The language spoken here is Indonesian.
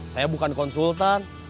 saya bukan konsultan